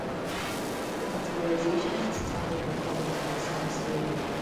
The categorization is determined according to their surface area.